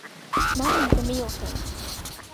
Mammīte mīl tevi.